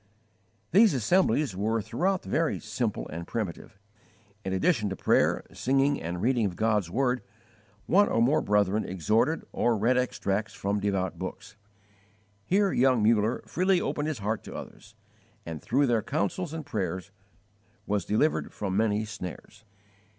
These assemblies were throughout very simple and primitive. In addition to prayer, singing, and reading of God's word, one or more brethren exhorted or read extracts from devout books. Here young Muller freely opened his heart to others, and through their counsels and prayers was delivered from many snares.